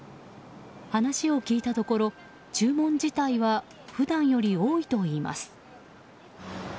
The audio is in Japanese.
話を聞いたところ注文自体は普段より多いといいます。